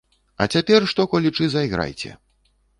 А цяпер што-колечы зайграйце.